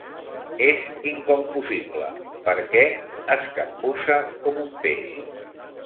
És inconfusible, perquè es capbussa com un peix.